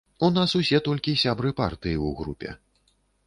У нас усе толькі сябры партыі ў групе.